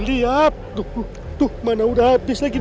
lihat tuh mana udah habis lagi